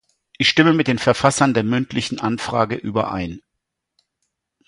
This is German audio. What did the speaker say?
Ich stimme mit den Verfassern der mündlichen Anfrage überein.